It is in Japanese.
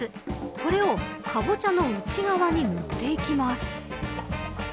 これをカボチャの内側に塗っていきます。